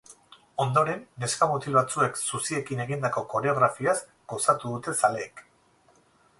Ondoren, neska-mutil batzuek zuziekin egindako koreografiaz gozatu dute zaleek.